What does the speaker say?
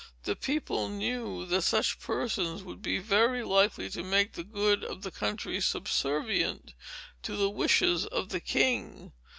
The people knew that such persons would be very likely to make the good of the country subservient to the wishes of the king.